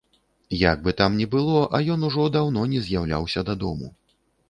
Як бы там ні было, а ён ужо даўно не з'яўляўся дадому.